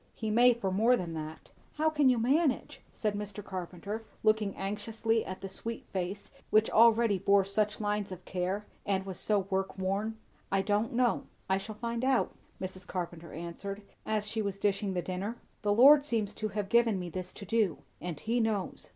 "He may for more than that." "How can you manage?" said Mr. Carpenter, looking anxiously at the sweet face which already bore such lines of care, and was so work worn. "I don't know. I shall find out," Mrs. Carpenter answered as she was dishing the dinner. "The Lord seems to have given me this to do; and he knows.